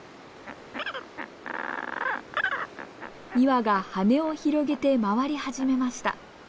２羽が羽を広げて回り始めました。